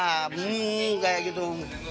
hmm kayak gitu